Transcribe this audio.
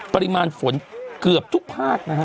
ปริมาณฝนเกือบทุกภาคนะฮะ